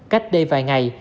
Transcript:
cách đây vài ngày